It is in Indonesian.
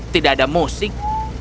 tidak ada musik